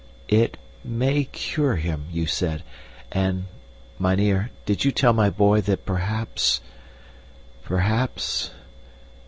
"It MAY cure him, you said, and mynheer, did you tell my boy that perhaps perhaps..."